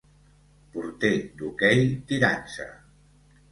Porter d'hoquei tirant-se